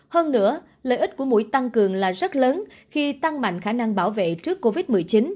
hơn nữa lợi ích của mũi tăng cường là rất lớn khi tăng mạnh khả năng bảo vệ trước covid một mươi chín